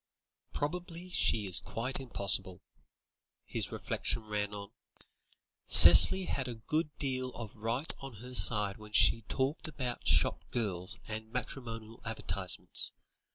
"Probably she is quite impossible," his reflections ran on. "Cicely had a good deal of right on her side when she talked about shop girls and matrimonial advertisements.